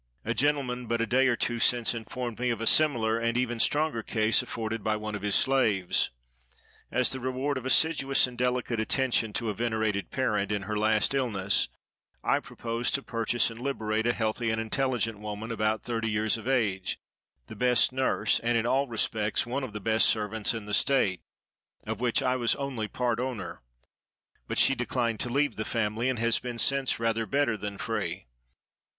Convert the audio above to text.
A gentleman but a day or two since informed me of a similar, and even stronger case, afforded by one of his slaves. As the reward of assiduous and delicate attention to a venerated parent, in her last illness, I proposed to purchase and liberate a healthy and intelligent woman, about thirty years of age, the best nurse, and, in all respects, one of the best servants in the state, of which I was only part owner; but she declined to leave the family, and has been since rather better than free.